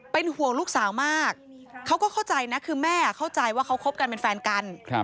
เป็นห่วงลูกสาวมากเขาก็เข้าใจนะคือแม่เข้าใจว่าเขาคบกันเป็นแฟนกัน